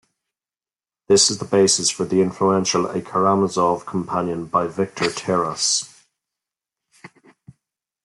This is the basis for the influential "A Karamazov Companion" by Victor Terras.